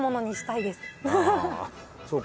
ああそうか。